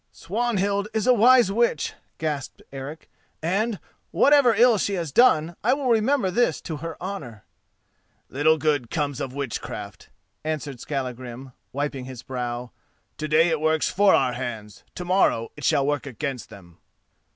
"Swanhild is a wise witch," gasped Eric, "and, whatever ill she has done, I will remember this to her honour." "Little good comes of witchcraft," answered Skallagrim, wiping his brow: "to day it works for our hands, to morrow it shall work against them."